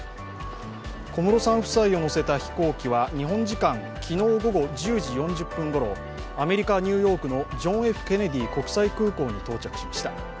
小室さん夫妻を乗せた飛行機は昨日午後１０時４０分ごろアメリカ・ニューヨークのジョン・Ｆ・ケネディ国際空港に到着しました。